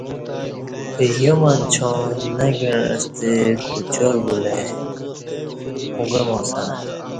یامنچا نہ گعستہ کوچار بولہ ای او گعماسہ